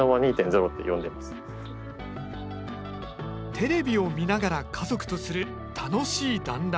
テレビを見ながら家族とする楽しい団欒。